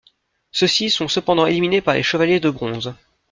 Ceux-ci sont cependant éliminés par les Chevaliers de Bronze.